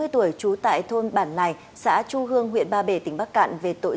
bốn mươi tuổi trú tại thôn bản lài xã chu hương huyện ba bể tỉnh bắc cạn